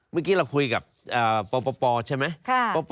เมื่อกี้เราคุยกับปปปใช่ไหมปปปใช่ไหม